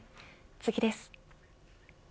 次です。